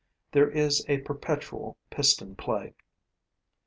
There is a perpetual piston play.